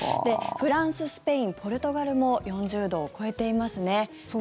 フランス、スペインポルトガルも４０度を超えていますね。